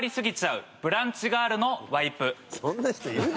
そんな人いるの？